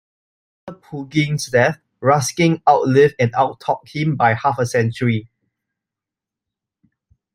After Pugin's death, Ruskin "outlived and out-talked him by half a century".